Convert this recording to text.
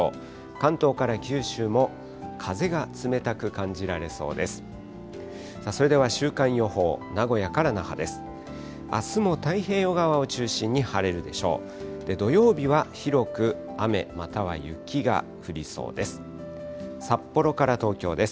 関東から九州も風が冷たく感じられそうです。